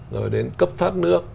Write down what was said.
rồi đến cấp thắt nước